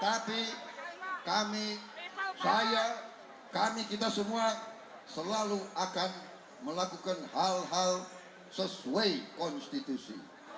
tapi kami saya kami kita semua selalu akan melakukan hal hal sesuai konstitusi